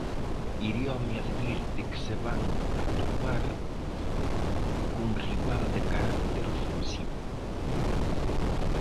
Iriome advirte que se van atopar cun rival de carácter ofensivo.